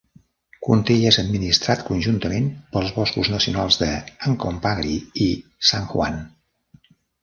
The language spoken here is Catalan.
Conté i és administrat conjuntament pels boscos nacionals de Uncompahgre i San Juan.